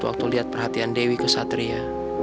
waktu lihat perhatian dewi ke satria